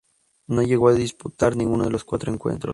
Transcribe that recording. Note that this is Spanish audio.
No llegó a disputar ninguno de los cuatro encuentros.